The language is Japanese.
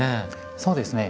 そうですね。